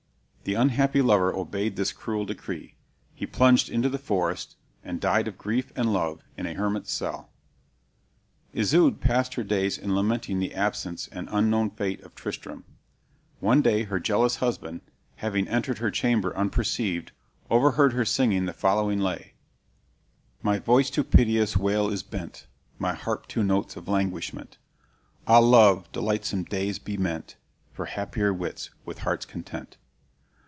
The unhappy lover obeyed this cruel decree. He plunged into the forest, and died of grief and love in a hermit's cell. Isoude passed her days in lamenting the absence and unknown fate of Tristram. One day her jealous husband, having entered her chamber unperceived, overheard her singing the following lay: "My voice to piteous wail is bent, My harp to notes of languishment; Ah, love! delightsome days be meant For happier wights, with hearts content.